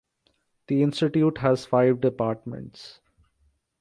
The institute has five departments.